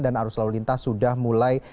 dan arus lalu lintas sudah mulai